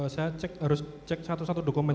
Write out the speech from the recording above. saya cek harus cek satu satu dokumen